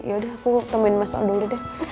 yaudah aku temenin mas odong dulu deh